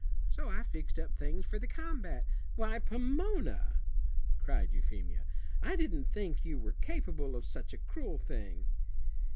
So I fixed up things for the combat." "Why, Pomona!" cried Euphemia, "I didn't think you were capable of such a cruel thing."